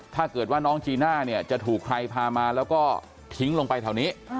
ถ้าเกิดว่าน้องจีน่าเนี่ยจะถูกใครพามาแล้วก็ทิ้งลงไปแถวนี้